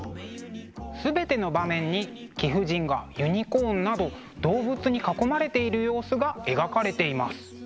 全ての場面に貴婦人がユニコーンなど動物に囲まれている様子が描かれています。